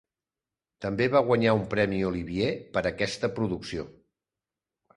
També va guanyar un Premi Olivier per aquesta producció.